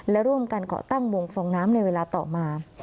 และร่วมกันเกาะตั้งวงฟองน้ำในเวลาต่อมา